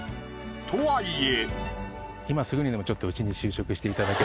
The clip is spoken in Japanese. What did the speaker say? とはいえ。